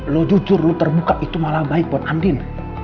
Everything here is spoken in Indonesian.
lo jujur lo terbuka itu malah baik buat andin